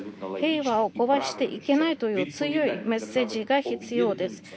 平和を壊していけないという強いメッセージが必要です。